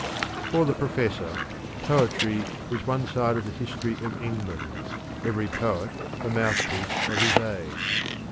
For the professor, poetry is one side of the History of England, every poet the mouthpiece of his age.